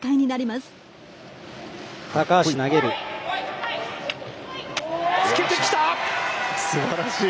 すばらしい。